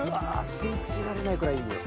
信じられないぐらいいいよ。